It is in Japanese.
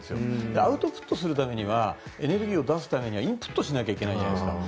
アウトプットするためにはエネルギーを出すためにはインプットしなくちゃいけないじゃないですか。